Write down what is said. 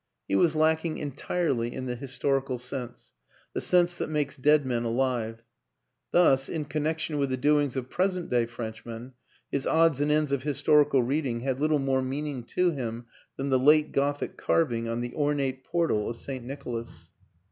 He was lacking entirely in the historical sense, the sense that makes dead men alive; thus, in connection with the doings of pres ent day Frenchmen, his odds and ends of historical reading had little more meaning to him than the Late Gothic carving on the ornate portal of St. Nicholas.